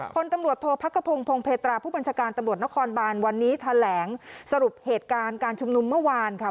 คนตำรวจโทษพักกระพงพงเพตราผู้บัญชาการตำรวจนครบานวันนี้แถลงสรุปเหตุการณ์การชุมนุมเมื่อวานค่ะ